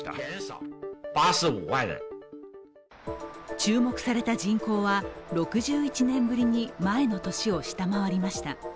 注目された人口は、６１年ぶりに前の年を下回りました。